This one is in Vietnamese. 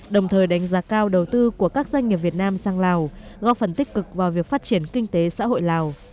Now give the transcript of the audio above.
đồng thời đánh giá cao đầu tư của các doanh nghiệp việt nam sang lào góp phần tích cực vào việc phát triển kinh tế xã hội lào